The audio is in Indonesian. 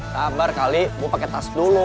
tabar kali gue pakai tas dulu